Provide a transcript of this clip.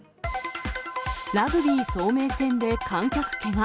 ラグビー早明戦で観客けが。